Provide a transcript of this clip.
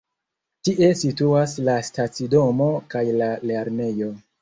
Tie situas la stacidomo kaj la lernejo.